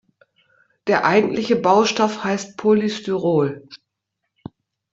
Der eigentliche Baustoff heißt Polystyrol.